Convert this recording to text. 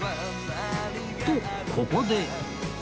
とここで